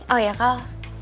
oh ya kal